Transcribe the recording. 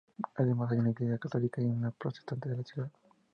Además, hay una iglesia católica y una protestante en la ciudad.